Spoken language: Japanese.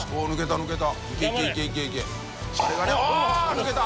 △抜けた！